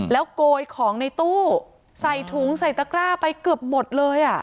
โกยของในตู้ใส่ถุงใส่ตะกร้าไปเกือบหมดเลย